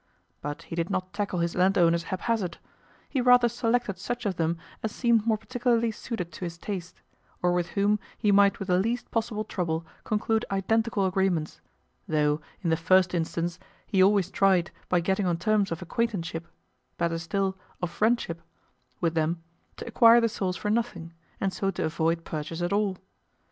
But he did not tackle his landowners haphazard: he rather selected such of them as seemed more particularly suited to his taste, or with whom he might with the least possible trouble conclude identical agreements; though, in the first instance, he always tried, by getting on terms of acquaintanceship better still, of friendship with them, to acquire the souls for nothing, and so to avoid purchase at all.